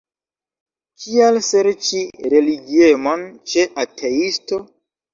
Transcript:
Kial serĉi religiemon ĉe ateisto?